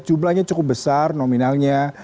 jumlahnya cukup besar nominalnya